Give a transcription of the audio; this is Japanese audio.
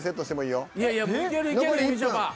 いやいやいけるいけるみちょぱ。